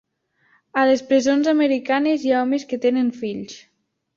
A les presons americanes hi ha homes que tenen fills.